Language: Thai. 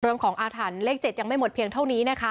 เรื่องของอาถรรพ์เลข๗ยังไม่หมดเพียงเท่านี้นะคะ